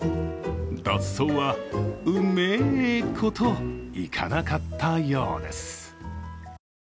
脱走は、うめぇこといかなかったようです。